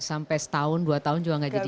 itu sampai setahun dua tahun juga gak jadi